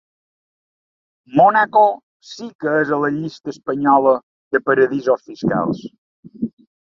Mònaco sí que és a la llista espanyola de paradisos fiscals.